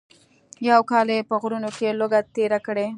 یو کال یې په غرونو کې لوږه تېره کړه.